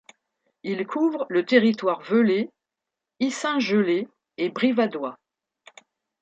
Il couvre le territoire Velay, Yssingelais et Brivadois.